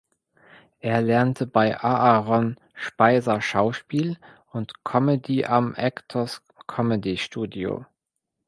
Er lernte bei Aaron Speiser Schauspiel und Comedy am Actors Comedy Studio.